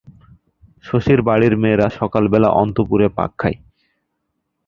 শশীর বাড়ির মেয়েরা সকালবেলা অন্তঃপুরে পাক খায়।